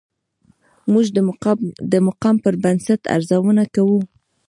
موږ د مقام پر بنسټ ارزونه کوو.